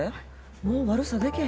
もう悪さでけへんやん。